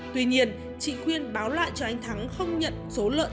tuy nhiên chị khuyên báo lại cho anh thắng không nhận số lợn